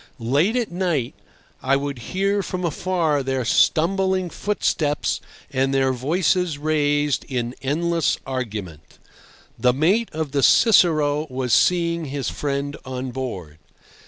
Late at night I would hear from afar their stumbling footsteps and their voices raised in endless argument. The mate of the Cicero was seeing his friend on board.